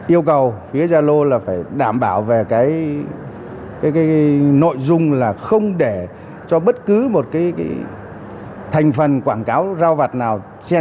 yêu cầu phía gia lô là phải đảm bảo về cái nội dung là không để cho bất cứ một cái thành phần quảng cáo giao vặt nào